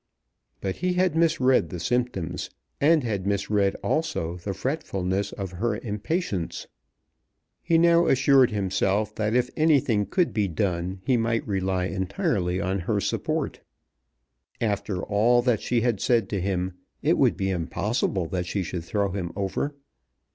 But he had misread the symptoms, and had misread also the fretfulness of her impatience. He now assured himself that if anything could be done he might rely entirely on her support. After all that she had said to him, it would be impossible that she should throw him over.